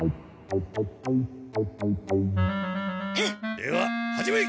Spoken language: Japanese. では始め！